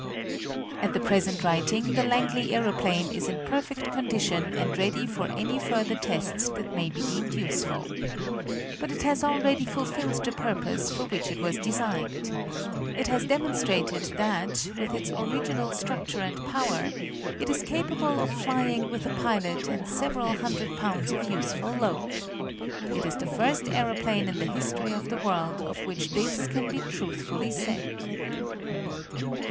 At the present writing the Langley aeroplane is in perfect condition and ready for any further tests that may be deemed useful. But it has already fulfilled the purpose for which it was designed. It has demonstrated that, with its original structure and power, it is capable of flying with a pilot and several hundred pounds of useful load. It is the first aeroplane in the history of the world of which this can be truthfully said.